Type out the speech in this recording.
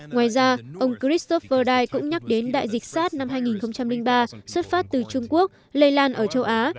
ngoài ra ông christopherdai cũng nhắc đến đại dịch sars năm hai nghìn ba xuất phát từ trung quốc lây lan ở châu á